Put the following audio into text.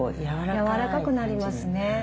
やわらかくなりますね。